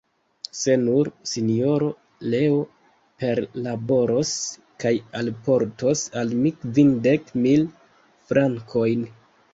Se nur, Sinjoro Leo perlaboros kaj alportos al mi kvindek mil frankojn.